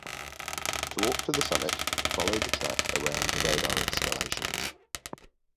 To walk to the summit follow the track around the radar installations.